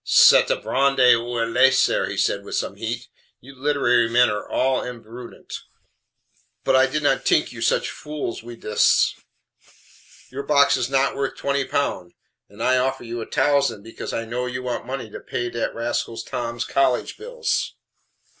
"C'est a brandre ou a laisser," he said with some heat. "You literary men are all imbrudent; but I did not tink you such a fool wie dis. Your box is not worth twenty pound, and I offer you a tausend because I know you want money to pay dat rascal Tom's college bills."